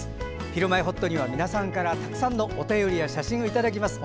「ひるまえほっと」には皆さんからたくさんのお便りや写真をいただきます。